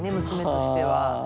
娘としては。